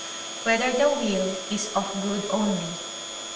1] Whether the Will Is of Good Only?